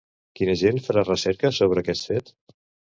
Quin agent farà recerca sobre aquest fet?